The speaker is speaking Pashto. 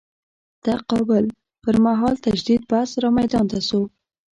تقابل پر مهال تجدید بحث رامیدان ته شو.